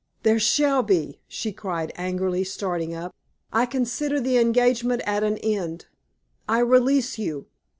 "There shall be," she cried, angrily, starting up. "I consider the engagement at an end. I release you!